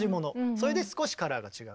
それで少しカラーが違う。